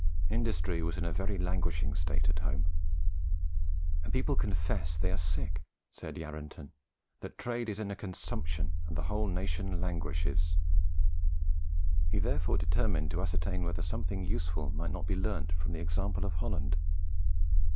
Industry was in a very languishing state at home. "People confess they are sick," said Yarranton, "that trade is in a consumption, and the whole nation languishes." He therefore determined to ascertain whether something useful might not be learnt from the example of Holland.